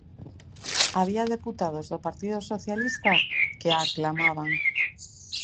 Había deputados do Partido Socialista que a aclamaban.